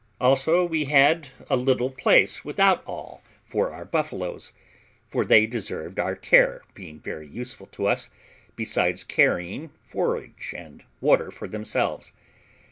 Also we had a little place without all for our buffaloes, for they deserved our care, being very useful to us, besides carrying forage and water for themselves.